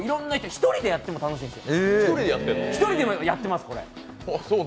１人でやっても楽しいんです。